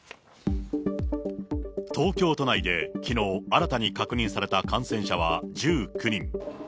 東京都内できのう新たに確認された感染者は１９人。